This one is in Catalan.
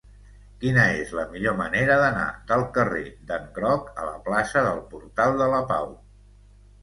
Quina és la millor manera d'anar del carrer d'en Groc a la plaça del Portal de la Pau?